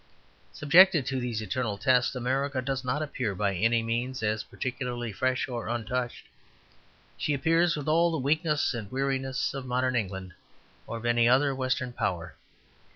Subjected to these eternal tests, America does not appear by any means as particularly fresh or untouched. She appears with all the weakness and weariness of modern England or of any other Western power.